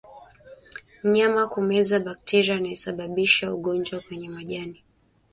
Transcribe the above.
Mnyama kumeza bakteria anayesababisha ugonjwa kwenye majani